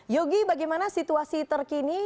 yogi bagaimana situasi terkini